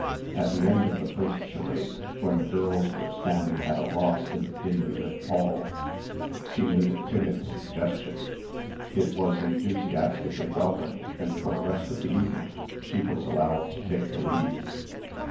At the end of the first charade, when the girls were standing at a loss in the dimly lit hall, she made a timid suggestion. It was enthusiastically welcomed and for the rest of the evening she was allowed to take the lead.